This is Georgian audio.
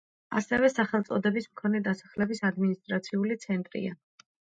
ამავე სახელწოდების მქონე დასახლების ადმინისტრაციული ცენტრია.